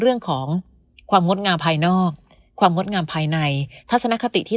เรื่องของความงดงามภายนอกความงดงามภายในทัศนคติที่